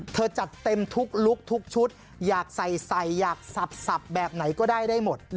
จัดเต็มทุกลุคทุกชุดอยากใส่อยากสับแบบไหนก็ได้ได้หมด